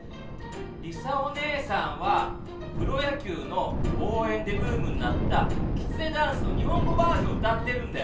りさおねえさんはプロやきゅうのおうえんでブームになった「きつねダンス」のにほんごバージョンをうたってるんだよ。